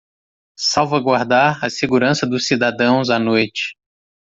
Salvaguardar a segurança dos cidadãos à noite